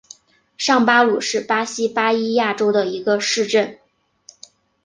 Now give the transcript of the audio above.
上巴鲁是巴西巴伊亚州的一个市镇。